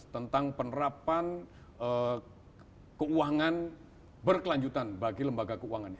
tentang penerapan keuangan berkelanjutan bagi lembaga keuangannya